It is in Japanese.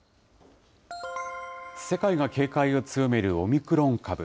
世界が警戒を強めるオミクロン株。